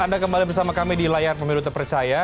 anda kembali bersama kami di layar pemilu terpercaya